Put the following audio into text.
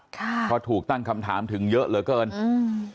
เพราะถูกตั้งคำถามถึงเยอะเหลือเกินอืม